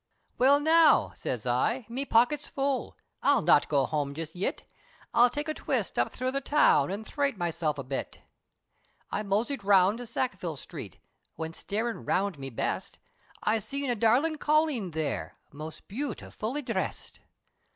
"Well now," sez I, "me pocket's full, I'll not go home just yit, I'll take a twist up thro' the town An' thrate meself a bit," I mosey'd round to Sackville Street, When starin' round me best, I seen a darlin' colleen there, Most beautifully dhressed.